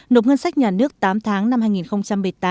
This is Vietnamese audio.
nộp ngân sách nhà nước tám tháng năm hai nghìn một mươi tám